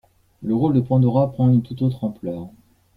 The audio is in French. Le rôle de Pandora prend une tout autre ampleur.